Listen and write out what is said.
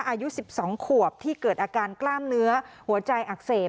อายุ๑๒ขวบที่เกิดอาการกล้ามเนื้อหัวใจอักเสบ